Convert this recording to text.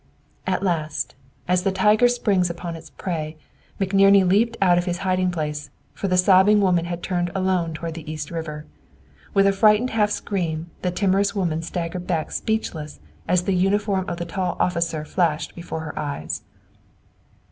At last, as the tiger springs upon its prey, McNerney leaped out of his hiding place, for the sobbing woman had turned alone toward the East River. With a frightened half scream, the timorous woman staggered back speechless as the uniform of the tall officer flashed before her eyes.